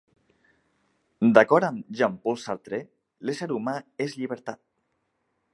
D'acord amb Jean-Paul Sartre, l'ésser humà és llibertat.